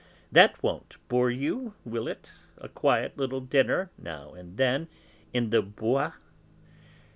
That won't bore you, will it, a quiet little dinner, now and then, in the Bois?